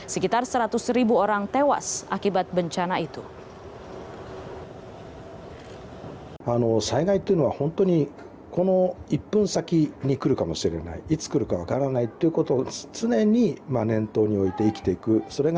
sekitar seratus ribu orang tewas akibat bencana itu